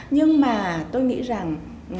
nhưng mà tôi nghĩ rằng